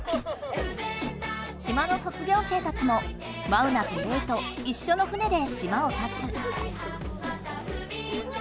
島の卒業生たちもマウナとレイといっしょの船で島をたつ。